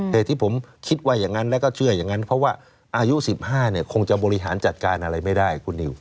เหตุที่ผมคิดว่าอย่างนั้นแล้วก็เชื่ออย่างนั้นเพราะว่าอายุ๑๕เนี่ยคงจะบริหารจัดการอะไรไม่ได้คุณนิว